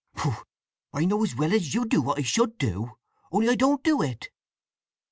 "Pooh! I know as well as you what I should do; only I don't do it!"